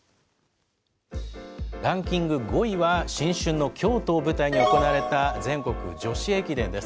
ランキング５位は、新春の京都を舞台に行われた全国女子駅伝です。